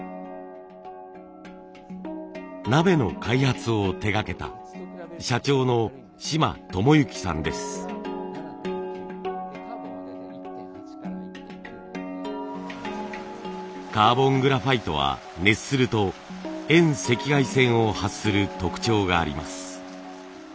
鍋の開発を手がけた社長のカーボングラファイトは熱すると遠赤外線を発する特徴があります。